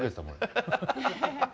ハハハハハ。